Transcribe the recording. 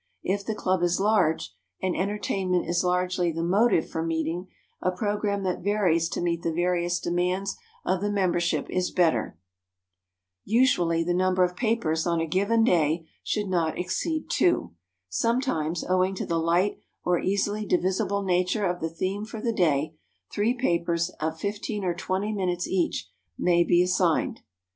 If the club is large, and entertainment is largely the motive for meeting, a program that varies to meet the various demands of the membership is better. [Sidenote: THE CLUB SESSION] Usually, the number of papers on a given day should not exceed two. Sometimes, owing to the light or easily divisible nature of the theme for the day, three papers, of fifteen or twenty minutes each, may be assigned.